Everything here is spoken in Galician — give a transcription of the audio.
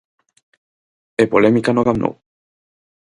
E polémica no Camp Nou.